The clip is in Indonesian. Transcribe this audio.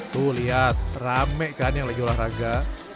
tuh lihat rame kan yang lagi olahraga